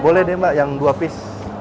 boleh nih mbak yang dua pis